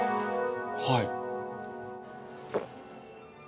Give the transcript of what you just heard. はい。